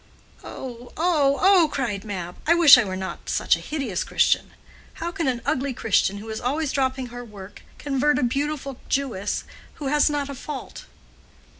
"Oh, oh, oh!" cried Mab. "I wish I were not such a hideous Christian. How can an ugly Christian, who is always dropping her work, convert a beautiful Jewess, who has not a fault?"